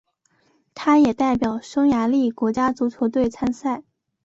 他也代表匈牙利国家足球队参赛。